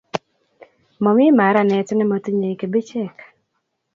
momi maranet nemotinyei kibichek